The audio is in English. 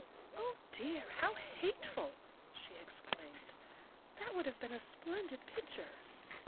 "Oh, dear, how hateful!" she exclaimed; "that would have been a splendid picture."